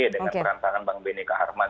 dengan perantaran bang beneka harman